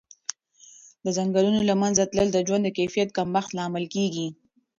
د ځنګلونو له منځه تلل د ژوند د کیفیت کمښت لامل کېږي.